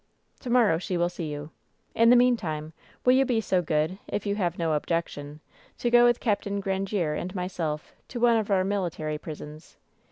To morrow she will see you. In the meantime, will you be so good, if you have no objection, to go with Capt. Grandiere and my self to one of our military prisons